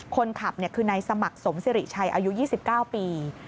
คนขับคือนายสมัครสมสิริชัยอายุ๒๙ปี